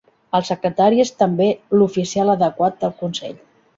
El secretari és també "l'oficial adequat" del Consell.